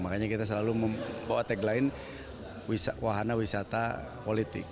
makanya kita selalu membawa tagline wahana wisata politik